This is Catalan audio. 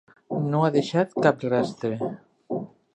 No ha deixat cap rastre.